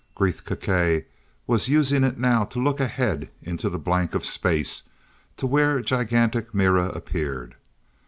Gresth Gkae was using it now to look ahead in the blank of space to where gigantic Mira appeared.